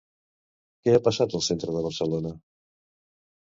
Què ha passat al centre de Barcelona?